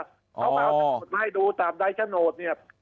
เขามาให้ดูตามรายชะโนดเนี่ย